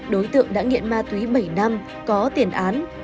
đối tượng đã nghiện ma túy bảy năm có tiền án